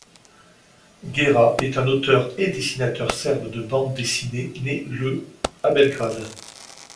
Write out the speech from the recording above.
Guéra, est un auteur et dessinateur serbe de bande dessinée né le à Belgrade.